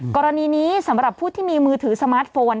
กรณีนี้สำหรับผู้ที่มีมือถือสมาร์ทโฟน